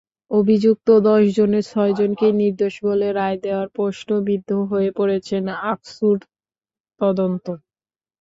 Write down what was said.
অভিযুক্ত দশজনের ছয়জনকেই নির্দোষ বলে রায় দেওয়ায় প্রশ্নবিদ্ধ হয়ে পড়েছে আকসুর তদন্ত।